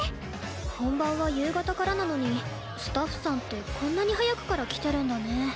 本番は夕方からなのにスタッフさんってこんなに早くから来てるんだね。